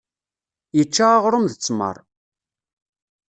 Yečča aɣrum d tmeṛ